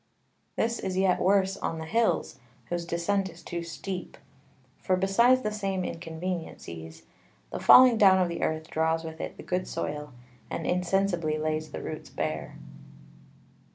This is yet worse on the Hills, whose Descent is too steep; for besides the same Inconveniencies, the falling down of the Earth draws with it the good Soil, and insensibly lays the Roots bare.